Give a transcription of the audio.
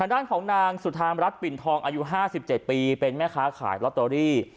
ด้านของนางสุธามรัฐปิ่นทองอายุ๕๗ปีเป็นแม่ค้าขายลอตเตอรี่